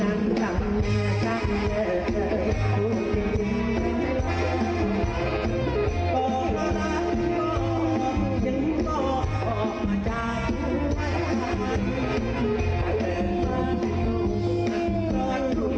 อย่างที่ต่อออกมาจากไว้กับมัน